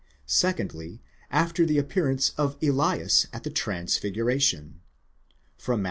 secondly, after the appearance of Elias at the trans figuration (Matt.